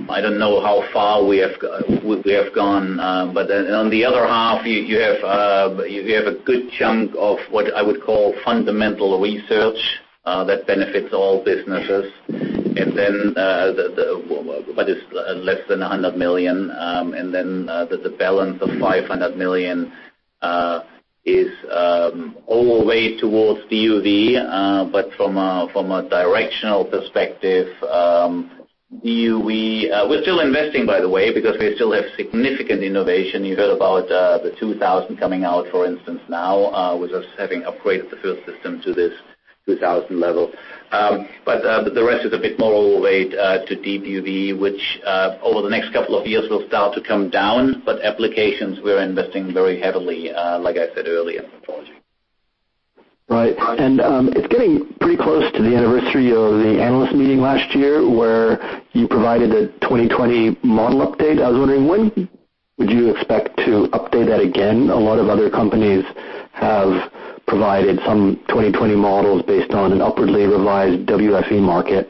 I do not know how far we have gone. On the other half, you have a good chunk of what I would call fundamental research that benefits all businesses. It is less than 100 million, and then the balance of 500 million is overweight towards DUV. From a directional perspective, EUV. We are still investing, by the way, because we still have significant innovation. You heard about the 2000 coming out, for instance, now, with us having upgraded the field system to this 2000 level. The rest is a bit more overweight to DUV, which over the next couple of years will start to come down. Applications, we are investing very heavily, like I said earlier, in metrology. Right. It is getting pretty close to the anniversary of the analyst meeting last year, where you provided a 2020 model update. I was wondering, when would you expect to update that again? A lot of other companies have provided some 2020 models based on an upwardly revised WFE market.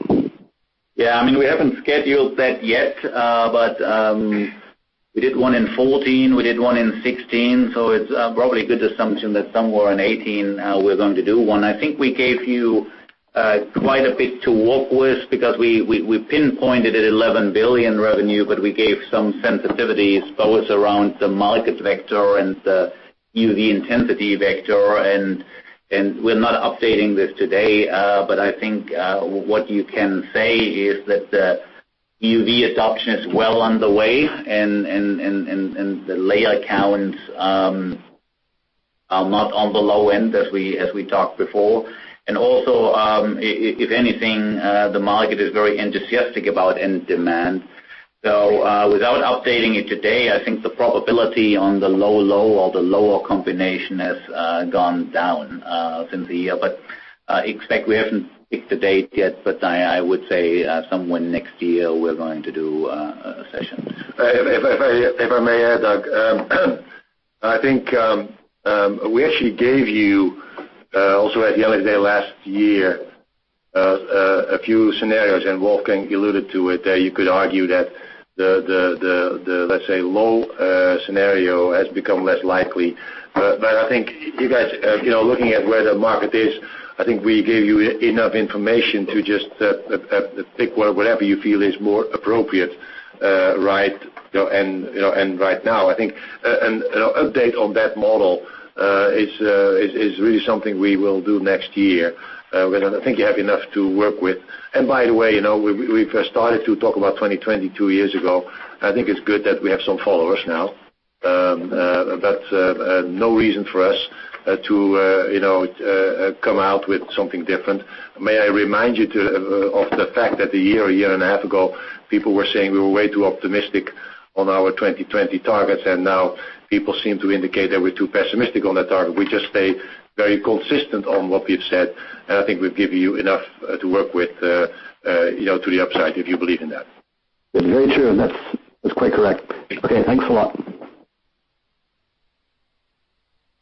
Yeah. We haven't scheduled that yet. We did one in 2014, we did one in 2016, it's probably a good assumption that somewhere in 2018, we're going to do one. I think we gave you quite a bit to work with because we pinpointed at 11 billion revenue, we gave some sensitivities both around the market vector and the EUV intensity vector. We're not updating this today, but I think what you can say is that the EUV adoption is well on the way, the layer counts are not on the low end as we talked before. Also, if anything, the market is very enthusiastic about end demand. Without updating it today, I think the probability on the low-low or the lower combination has gone down since the year. Expect we haven't picked a date yet, I would say somewhere next year we're going to do a session. If I may add, Doug. I think we actually gave you, also at the analyst day last year, a few scenarios, Wolfgang alluded to it, that you could argue that the, let's say, low scenario has become less likely. I think you guys, looking at where the market is, I think we gave you enough information to just pick whatever you feel is more appropriate right now. I think an update on that model is really something we will do next year. I think you have enough to work with. By the way, we first started to talk about 2020 two years ago. I think it's good that we have some followers now. No reason for us to come out with something different. May I remind you of the fact that a year, a year and a half ago, people were saying we were way too optimistic on our 2020 targets, now people seem to indicate that we're too pessimistic on that target. We just stay very consistent on what we've said, I think we've given you enough to work with to the upside if you believe in that. That's very true, and that's quite correct. Okay, thanks a lot.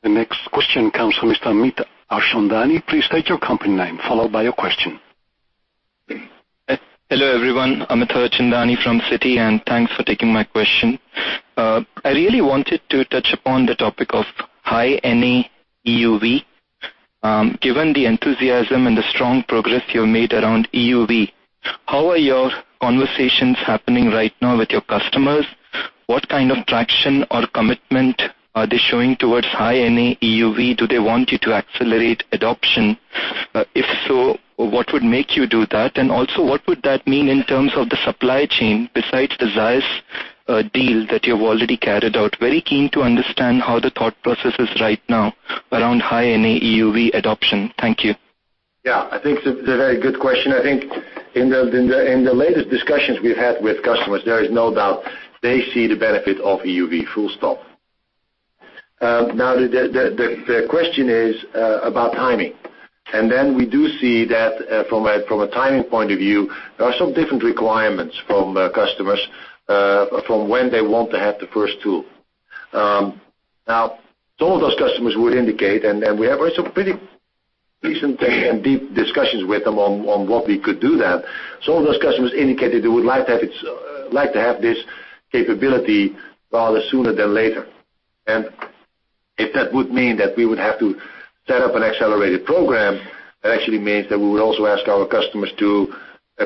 The next question comes from Mr. Amit Harchandani. Please state your company name, followed by your question. Hello, everyone. I'm Amit Harchandani from Citi, and thanks for taking my question. I really wanted to touch upon the topic of High-NA EUV. Given the enthusiasm and the strong progress you have made around EUV, how are your conversations happening right now with your customers? What kind of traction or commitment are they showing towards High-NA EUV? Do they want you to accelerate adoption? If so, what would make you do that? What would that mean in terms of the supply chain besides the ZEISS deal that you have already carried out? Very keen to understand how the thought process is right now around High-NA EUV adoption. Thank you. Yeah, I think it's a very good question. I think in the latest discussions we've had with customers, there is no doubt they see the benefit of EUV, full stop. The question is about timing. We do see that from a timing point of view, there are some different requirements from customers from when they want to have the first tool. Some of those customers would indicate, and we have had some pretty recent and deep discussions with them on what we could do then. Some of those customers indicated they would like to have this capability rather sooner than later. If that would mean that we would have to set up an accelerated program, that actually means that we would also ask our customers to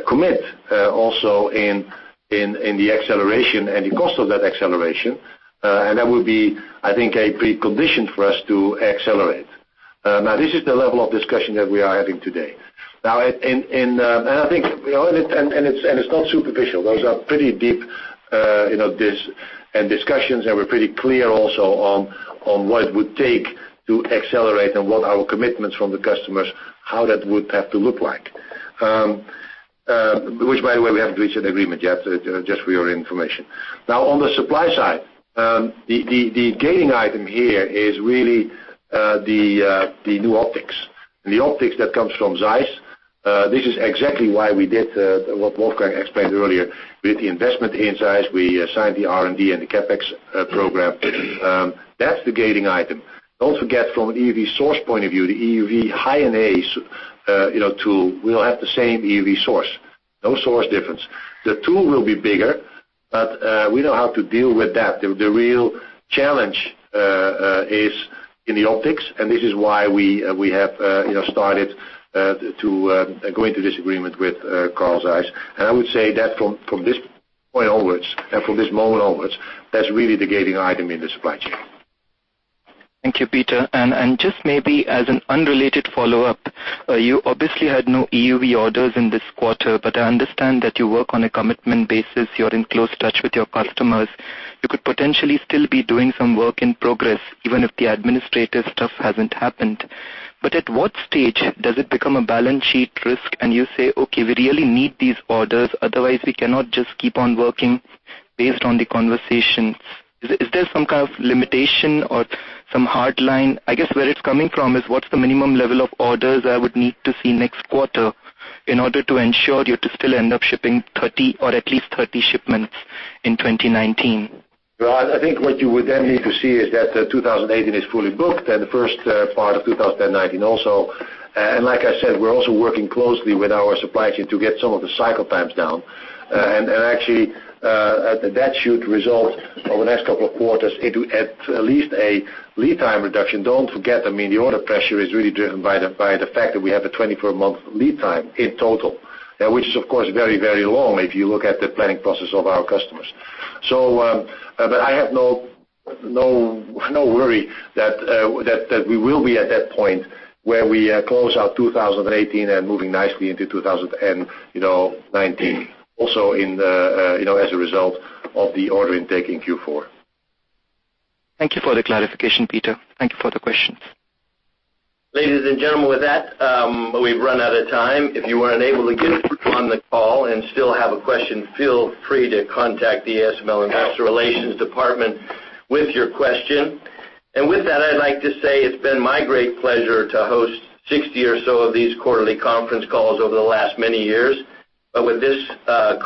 commit also in the acceleration and the cost of that acceleration. That would be, I think, a precondition for us to accelerate. This is the level of discussion that we are having today. It's not superficial. Those are pretty deep discussions, and we're pretty clear also on what it would take to accelerate and what our commitments from the customers, how that would have to look like. Which, by the way, we haven't reached an agreement yet, just for your information. On the supply side, the gating item here is really the new optics. The optics that comes from ZEISS, this is exactly why we did what Wolfgang explained earlier. With the investment in ZEISS, we signed the R&D and the CapEx program. That's the gating item. Don't forget, from an EUV source point of view, the EUV High-NA tool will have the same EUV source. No source difference. The tool will be bigger, but we know how to deal with that. The real challenge is in the optics, and this is why we have started to go into this agreement with Carl Zeiss. I would say that from this point onwards and from this moment onwards, that's really the gating item in the supply chain. Thank you, Peter. Just maybe as an unrelated follow-up, you obviously had no EUV orders in this quarter, but I understand that you work on a commitment basis. You're in close touch with your customers. You could potentially still be doing some work in progress, even if the administrative stuff hasn't happened. At what stage does it become a balance sheet risk and you say, "Okay, we really need these orders, otherwise we cannot just keep on working based on the conversations." Is there some kind of limitation or some hard line? I guess where it's coming from is what's the minimum level of orders I would need to see next quarter in order to ensure you to still end up shipping 30 or at least 30 shipments in 2019? Well, I think what you would then need to see is that 2018 is fully booked and the first part of 2019 also. Like I said, we're also working closely with our supply chain to get some of the cycle times down. Actually, that should result over the next couple of quarters into at least a lead time reduction. Don't forget, the order pressure is really driven by the fact that we have a 24-month lead time in total. Which is, of course, very, very long if you look at the planning process of our customers. I have no worry that we will be at that point where we close out 2018 and moving nicely into 2019 also as a result of the order intake in Q4. Thank you for the clarification, Peter. Thank you for the questions. Ladies and gentlemen, with that, we've run out of time. If you were unable to get through on the call and still have a question, feel free to contact the ASML investor relations department with your question. With that, I'd like to say it's been my great pleasure to host 60 or so of these quarterly conference calls over the last many years. With this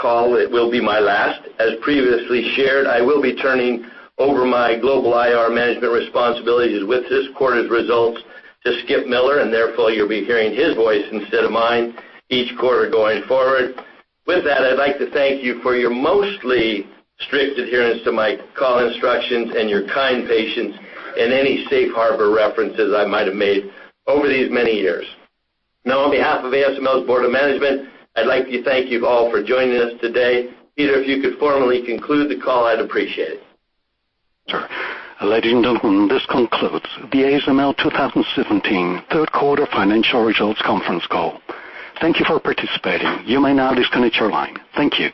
call, it will be my last. As previously shared, I will be turning over my global IR management responsibilities with this quarter's results to Skip Miller, therefore, you'll be hearing his voice instead of mine each quarter going forward. With that, I'd like to thank you for your mostly strict adherence to my call instructions and your kind patience in any safe harbor references I might have made over these many years. Now, on behalf of ASML's Board of Management, I'd like to thank you all for joining us today. Peter, if you could formally conclude the call, I'd appreciate it. Sure. Ladies and gentlemen, this concludes the ASML 2017 third quarter financial results conference call. Thank you for participating. You may now disconnect your line. Thank you.